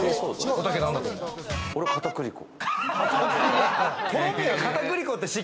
俺、片栗粉。